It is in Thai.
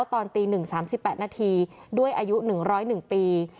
ตอนตี๑๓๘นาทีด้วยอายุ๑๐๑ปี